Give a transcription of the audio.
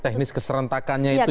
teknis keserentakannya itu ya